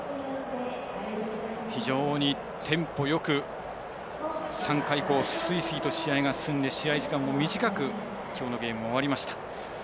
非常にテンポよく３回以降すいすいと試合が進んで、試合時間が短くきょうのゲーム終わりました。